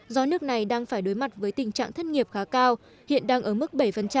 do nước này đang phải đối mặt với tình trạng thất nghiệp khá cao hiện đang ở mức bảy